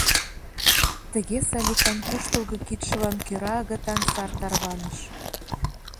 Тыге Саликан куштылго кидшылан кӧра агытан сар тарваныш.